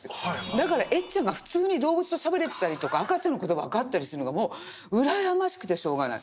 だからエッちゃんが普通に動物としゃべれてたりとか赤ちゃんの言葉が分かったりするのがもう羨ましくてしょうがない。